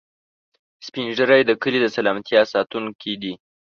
سپین ږیری د کلي د سلامتیا ساتونکي دي